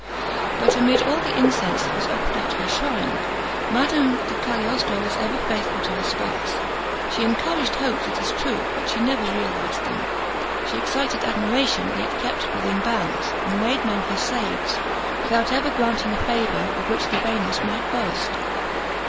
But amid all the incense that was offered at her shrine, Madame di Cagliostro was ever faithful to her spouse. She encouraged hopes, it is true, but she never realised them; she excited admiration, yet kept it within bounds; and made men her slaves, without ever granting a favour of which the vainest might boast.